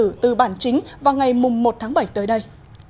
bản sao điện tử từ bản chính vào ngày một tháng bảy tới đây